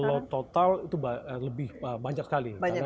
kalau total itu lebih banyak sekali